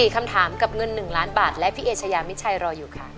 ๔คำถามกับเงิน๑ล้านบาทและพี่เอชายามิดชัยรออยู่ค่ะ